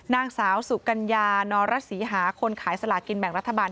นางสาวสุกัญญานรสีหาคนขายสลากินแบ่งรัฐบาล